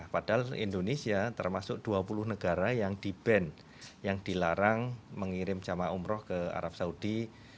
padahal indonesia termasuk dua puluh negara yang di ban yang dilarang mengirim jamaah umroh ke arab saudi